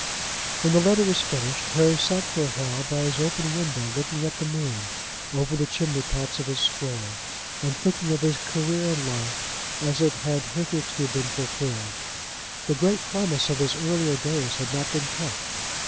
When the letter was finished Harry sat for a while by his open window looking at the moon, over the chimney pots of his square, and thinking of his career in life as it had hitherto been fulfilled. The great promise of his earlier days had not been kept.